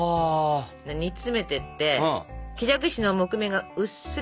煮詰めてって木じゃくしの木目がうっすら見える感じ。